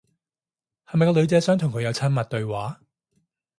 係唔係個女仔想同佢有親密對話？